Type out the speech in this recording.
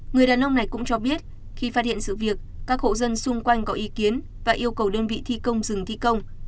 người đàn ông này cũng cho biết khi phát hiện sự việc các hộ dân xung quanh có ý kiến và yêu cầu đơn vị thi công dừng thi công